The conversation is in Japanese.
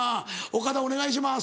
岡田お願いします。